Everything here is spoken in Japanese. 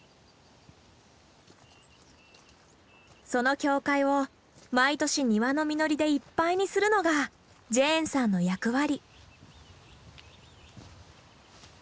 その教会を毎年庭の実りでいっぱいにするのがジェーンさんの役割。